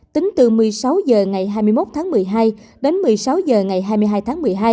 tính từ một mươi sáu h ngày hai mươi một tháng một mươi hai đến một mươi sáu h ngày hai mươi hai tháng một mươi hai